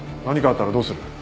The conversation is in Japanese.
何かあったらどうする。